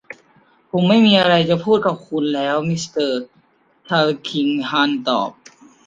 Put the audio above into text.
ผมไม่มีอะไรจะพูดกับคุณแล้ว มิสเตอร์ทัลคิงฮอร์นตอบ